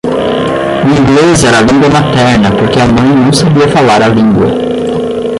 O inglês era a língua materna porque a mãe não sabia falar a língua.